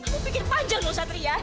aku pikir panjang loh satria